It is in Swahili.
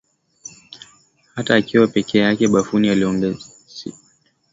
hata akiwa peke yake bafuni akiogaKassim Majaliwa alizaliwa tarehe ishirini na mbili mwezi